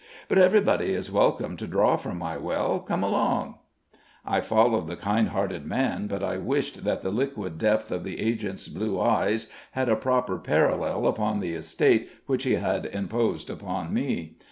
But everybody is welcome to draw from my well come along." I followed the kind hearted man, but I wished that the liquid depth of the agent's blue eyes had a proper parallel upon the estate which he had imposed upon me.